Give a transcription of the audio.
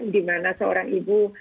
dimana seorang ibu